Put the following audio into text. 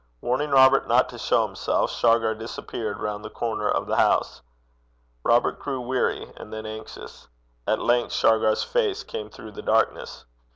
Warning Robert not to show himself, Shargar disappeared round the corner of the house. Robert grew weary, and then anxious. At length Shargar's face came through the darkness.